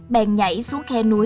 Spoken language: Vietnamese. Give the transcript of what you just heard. bèn nhảy xuống khe núi